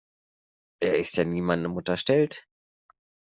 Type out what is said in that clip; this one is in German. Er ist ja niemandem unterstellt.